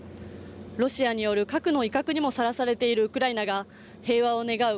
ロシアによる核の威嚇にもさらされているウクライナが平和を願う